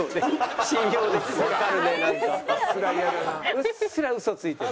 うっすら嘘ついてる。